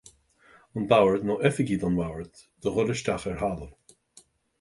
An Bord nó oifigigh don Bhord do dhul isteach ar thalamh.